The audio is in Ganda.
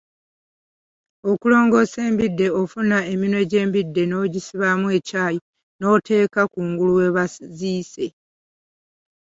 Okulongosa embidde, ofuna eminwe gy'embidde n'ogisibamu ekyayi n'oteeka kungulu we baziise